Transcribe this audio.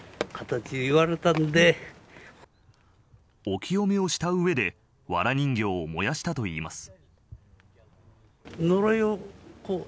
お清めをした上でわら人形を燃やしたといいます。